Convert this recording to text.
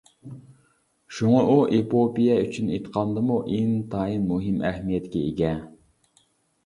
شۇڭا ئۇ ئېپوپىيە ئۈچۈن ئېيتقاندىمۇ ئىنتايىن مۇھىم ئەھمىيەتكە ئىگە.